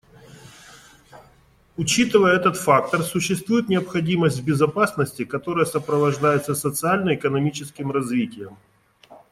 Учитывая этот фактор, существует необходимость в безопасности, которая сопровождается социально-экономическим развитием.